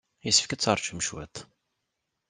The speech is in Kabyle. Yessefk ad teṛjum cwiṭ.